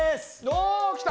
お来た！